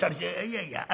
「いやいや。